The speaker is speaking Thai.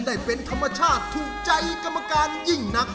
ได้เป็นธรรมชาติถูกใจกรรมการยิ่งนัก